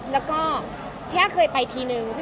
แล้วก็แค่เคยไปทีนึง